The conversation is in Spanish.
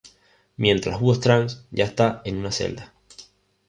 Mientras Hugo Strange, ya está en una celda.